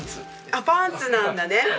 あっパンツなんだね！